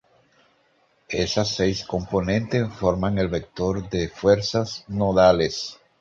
Esas seis componentes forman el vector de fuerzas nodales.